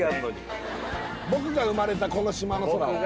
「僕が生まれたこの島の空を」